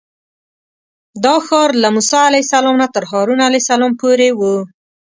دا ښار له موسی علیه السلام نه تر هارون علیه السلام پورې و.